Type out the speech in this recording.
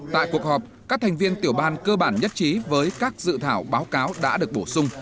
tại cuộc họp các thành viên tiểu ban cơ bản nhất trí với các dự thảo báo cáo đã được bổ sung